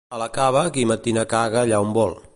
A la Cava, qui matina caga allà on vol.